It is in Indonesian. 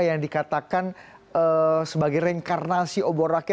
yang dikatakan sebagai rengkarnasi obor rakyat